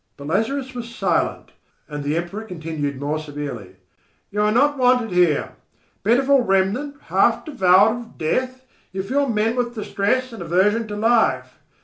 But Lazarus was silent, and the Emperor continued more severely: "You are not wanted here. Pitiful remnant, half devoured of death, you fill men with distress and aversion to life.